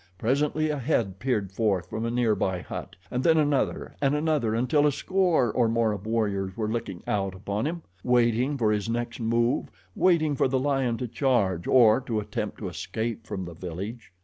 Presently a head peered forth from a near by hut, and then another and another until a score or more of warriors were looking out upon him, waiting for his next move waiting for the lion to charge or to attempt to escape from the village.